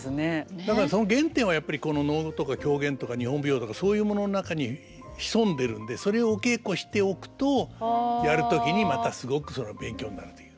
だからその原点はやっぱりこの能とか狂言とか日本舞踊とかそういうものの中に潜んでるんでそれお稽古しておくとやる時にまたすごく勉強になるという。